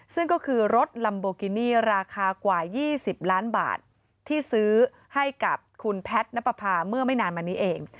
ซึ่งก็คือรถลัมโบกินี่ราคากว่า๒๐ล้านบาทที่ซื้อให้กับคุณแพทย์นับประพาเมื่อไม่นานมานี้เอง